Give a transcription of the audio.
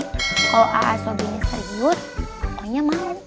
kalau a'a sobri serius pokoknya mau